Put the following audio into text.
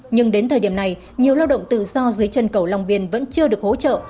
nhưng đến thời điểm này nhiều lao động tự do dưới chân cầu long biên vẫn chưa được hỗ trợ